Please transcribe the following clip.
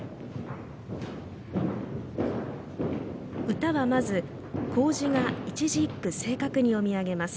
歌は、まず講師が一字一句正確に詠み上げます。